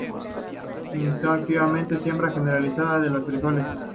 Incentivó activamente la siembra generalizada de los frijoles.